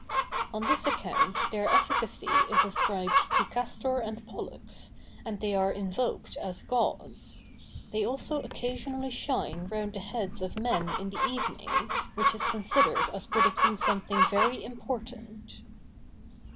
On this account their efficacy is ascribed to Castor and Pollux, and they are invoked as gods. They also occasionally shine round the heads of men in the evening, which is considered as predicting something very important.